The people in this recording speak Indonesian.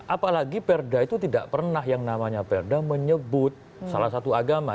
apalagi perda itu tidak pernah yang namanya perda menyebut salah satu agama